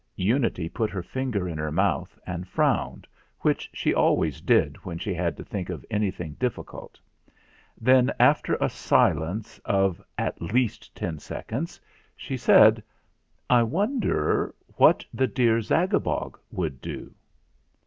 ZAGABOG'S MESSAGE 319 Unity put her finger in her mouth and frowned, which she always did when she had to think of anything difficult. Then, after a silence of 'at least ten seconds, she said: "I wonder what the dear Zagabog would do?"